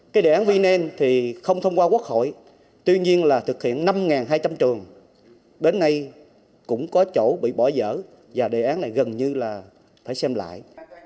cái đề án vn thì không thông qua quốc hội tuy nhiên là thực hiện năm hai trăm linh trường đến nay cũng có chỗ bị bỏ dở và đề án này gần như là phải xem lại